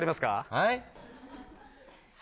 はい？